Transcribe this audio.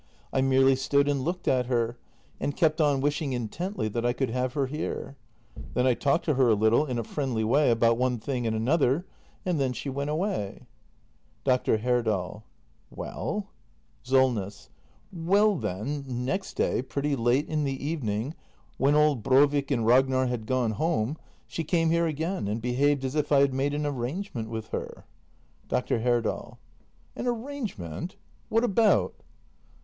I merely stood and looked at her — and kept on wishing intently that I could have her here. Then I talked to her a little, in a friendly way — about one thing and another. And then she went away. Dr. Herdal. Well? SOLNESS. Well then, next day, pretty late in the evening, when old Brovik and Ragnar had gone home, she came here again, and behaved as if I had made an arrangement with her. Dr. Herdal. An arrangement ? What about